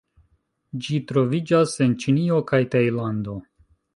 Ĝi troviĝas en Ĉinio kaj Tajlando.